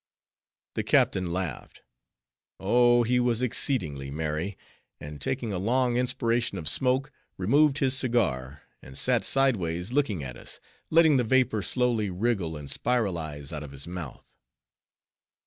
The captain laughed. Oh! he was exceedingly merry; and taking a long inspiration of smoke, removed his cigar, and sat sideways looking at us, letting the vapor slowly wriggle and spiralize out of his mouth.